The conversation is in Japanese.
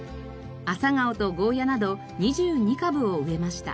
アサガオとゴーヤーなど２２株を植えました。